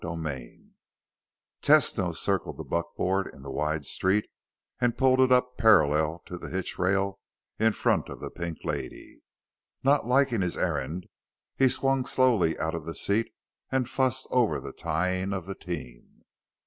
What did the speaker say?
VII Tesno circled the buckboard in the wide street and pulled it up parallel to the hitchrail in front of the Pink Lady. Not liking his errand, he swung slowly out of the seat and fussed over the tying of the team.